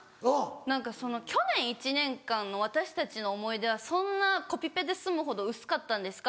何かその去年一年間の私たちの思い出はそんなコピペで済むほど薄かったんですか？